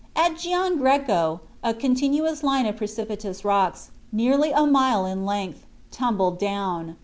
At Gian Greco a continuous line of precipitous rocks, nearly a mile in length, tumbled down.